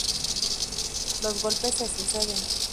Los golpes se suceden.